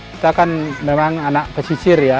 kita kan memang anak pesisir ya